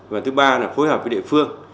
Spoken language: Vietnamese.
và thứ ba là phối hợp với địa phương